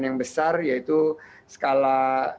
yang memiliki keuntungan yang berkualitas